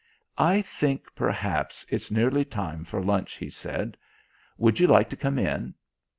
"I think, perhaps, it's nearly time for lunch," he said. "Would you like to come in?"